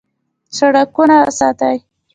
سړکونه وساتئ